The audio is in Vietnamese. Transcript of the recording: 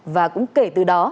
và cũng kể từ đó